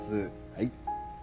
はい。